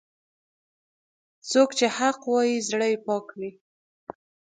څوک چې حق وايي، زړه یې پاک وي.